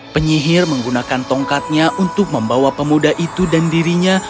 penyihir menggunakan tongkatnya untuk membawa pemuda itu dan dirinya